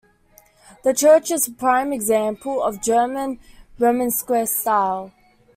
The church is a prime example of German Romanesque style.